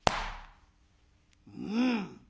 「うん。